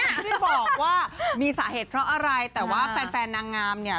ที่บอกว่ามีสาเหตุเพราะอะไรแต่ว่าแฟนนางงามเนี่ย